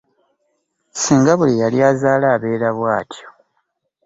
Singa buli eyali azaala abeera bwatyo.